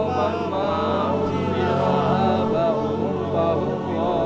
salam sehari maulai biju